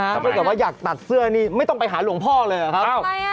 ถ้าเกิดว่าอยากตัดเสื้อนี่ไม่ต้องไปหาหลวงพ่อเลยเหรอครับ